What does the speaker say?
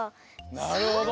なるほど。